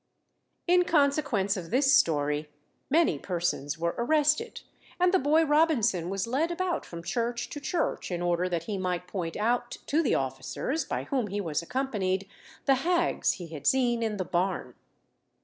In consequence of this story, many persons were arrested, and the boy Robinson was led about from church to church, in order that he might point out to the officers by whom he was accompanied the hags he had seen in the barn.